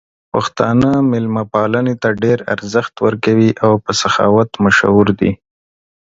پښتانه مېلمه پالنې ته ډېر ارزښت ورکوي او په سخاوت مشهور دي.